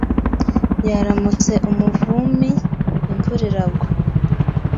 Yaramutse umuvumi imvura iragwa